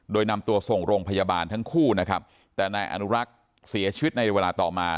โดยนำตัวส่งโรงพยาบาลทั้งคู่นะครับแต่นายอนุรักษ์เสียชีวิตในเวลาต่อมา